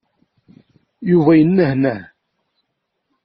Yuba yenehneh.